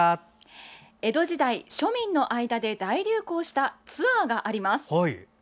江戸時代、庶民の間で大流行したツアーがあります。